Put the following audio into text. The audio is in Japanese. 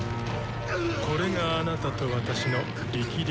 これがあなたと私の力量。